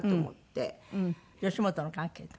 吉本の関係の？